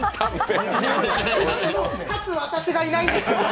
立つ私がいないんですけど。